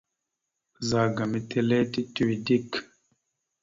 Ɓəzagaam etelle tituwe dik.